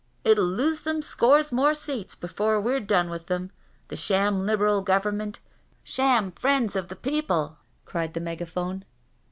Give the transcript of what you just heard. It'uU lose them scores mor6 seats before we've done with them — the sham Liberal Government — ^sham friends of the people I" cried the megaphone.